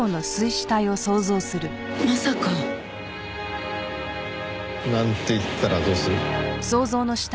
まさか。なんて言ったらどうする？